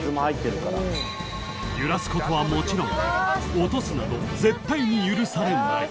［揺らすことはもちろん落とすなど絶対に許されない］